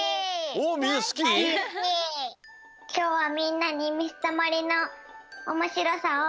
きょうはみんなにみずたまりのおもしろさをしってもらいたいんだ。